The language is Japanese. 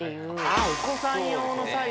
ああお子さん用のサイズね。